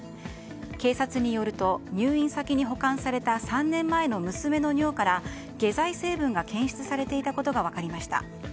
警察によると入院先に保管された３年前の娘の尿から下剤成分が検出されていたことが分かりました。